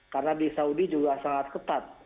karena di saudi juga sangat ketat